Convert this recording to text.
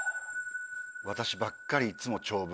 私ばっかりいつも長文。